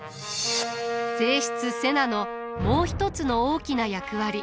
正室瀬名のもう一つの大きな役割。